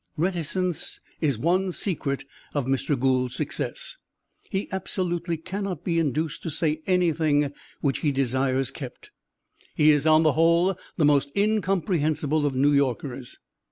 Reticence is one secret of Mr. Gould's success. He absolutely cannot be induced to say anything which he desires kept. He is on the whole the most incomprehensible of New Yorkers.